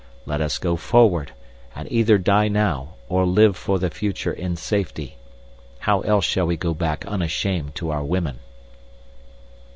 Let us go forward, and either die now or live for the future in safety. How else shall we go back unashamed to our women?"